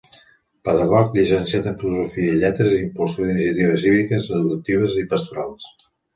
Pedagog, llicenciat en filosofia i lletres i impulsor d'iniciatives cíviques, educatives i pastorals.